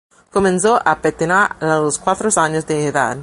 Comenzó a patinar a los cuatro años de edad.